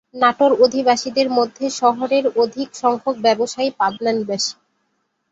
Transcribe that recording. নাটোর অধিবাসীদের মধ্যে শহরের অধিক সংখ্যক ব্যবসায়ী পাবনা নিবাসী।